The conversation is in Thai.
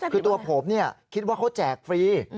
คือตัวผมคิดว่าเขาแจกฟรี